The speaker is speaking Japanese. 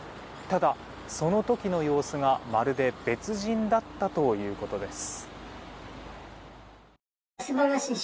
ただ、その時の様子がまるで別人だったということです。